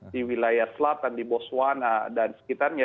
di wilayah selatan di boswana dan sekitarnya